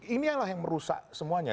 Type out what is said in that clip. ini adalah yang merusak semuanya